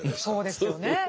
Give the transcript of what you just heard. そうですよね。